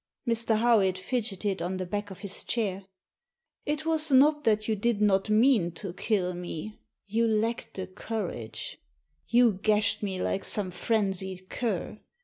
Mr. Howitt fidgeted on the back of his chair. " It was not that you did not mean to kill me. You lacked the courage. You gashed me like some frenzied cur.